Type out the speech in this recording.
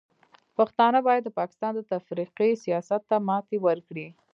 پښتانه باید د پاکستان د تفرقې سیاست ته ماتې ورکړي.